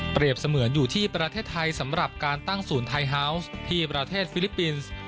เสมือนอยู่ที่ประเทศไทยสำหรับการตั้งศูนย์ไทยฮาวส์ที่ประเทศฟิลิปปินส์